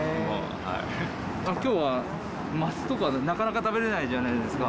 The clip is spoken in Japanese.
きょうはマスとか、なかなか食べれないじゃないですか。